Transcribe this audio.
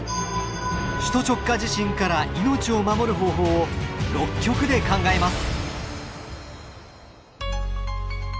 首都直下地震からいのちを守る方法を６局で考えます。